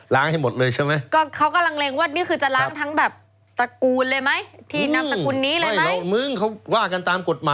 ตั้งใจจะล้างบางหรือเปล่า